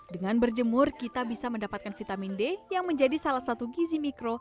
dengan berjemur kita bisa mendapatkan vitamin d yang menjadi salah satu gizi mikro